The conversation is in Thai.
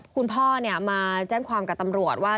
คุณพ่อมาแจ้งความกับตำรวจว่า